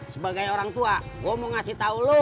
sebagai orang tua gue mau ngasih tau lo